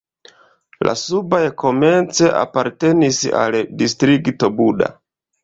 La subaj komence apartenis al Distrikto Buda.